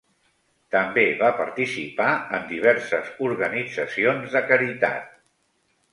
També va participar en diverses organitzacions de caritat.